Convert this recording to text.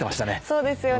そうですよね